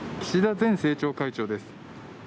前政調会長です。